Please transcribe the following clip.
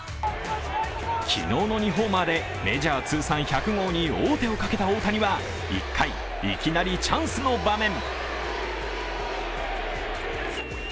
昨日の２ホーマーでメジャー通算１００号に王手をかけた大谷は１回、いきなりチャンスの場面。